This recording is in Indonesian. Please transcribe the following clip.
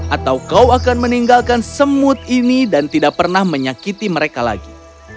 atau kau akan meninggalkan semut ini dan tidak pernah menyakiti mereka lagi